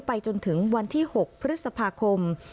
จนถึงวันที่๖พฤษภาคม